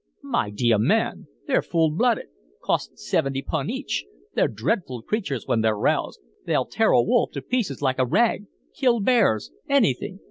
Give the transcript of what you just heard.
'My deah man, they're full blooded. Cost seventy pun each. They're dreadful creatures when they're roused they'll tear a wolf to pieces like a rag kill bears anything.